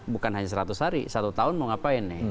bukan hanya seratus hari satu tahun mau ngapain nih